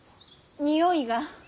においが。